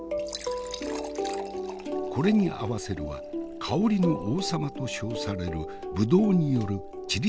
これに合わせるは香りの王様と称されるブドウによるチリ産の白ワイン。